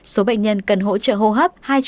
số bệnh nhân cần hỗ trợ hô hấp hai trăm một mươi một